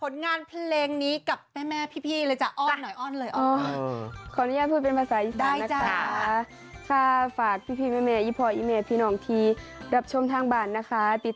เดี๋ยวคนพ่อก็จะลงคิวให้ไว้